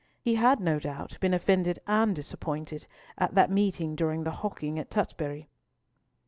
He had no doubt been offended and disappointed at that meeting during the hawking at Tutbury.